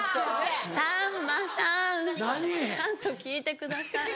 さんまさんちゃんと聞いてください。